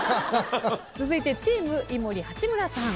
続いてチーム井森八村さん。